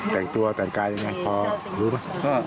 แต่งตัวแต่งกายยังไงพอรู้ไหม